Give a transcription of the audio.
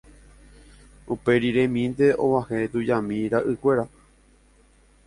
Uperiremínte og̃uahẽ tujami ra'ykuéra